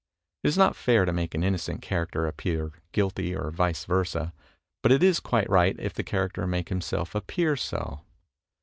It is not fair to make an innocent character appear guilty or vice versa, but it is quite right if the character make himself appear so.